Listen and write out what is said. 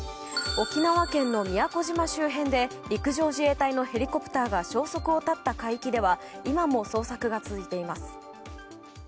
沖縄県の宮古島周辺で陸上自衛隊のヘリコプターが消息を絶った海域では今も捜索が続いています。